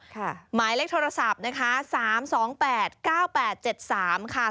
หมายเลขโทรศัพท์นะคะ๓๒๘๙๘๗๓ค่ะ